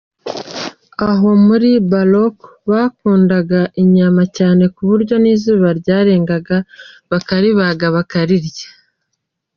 Aho mu Baryoko, bakundaga inyama cyane ku buryo n’izuba ryaharengeraga bakaribaga bakarirya.